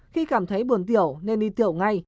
khi cảm thấy buồn tiểu nên đi tiểu ngay